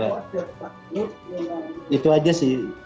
ya itu aja sih